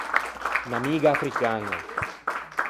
Unn’amiga africaña.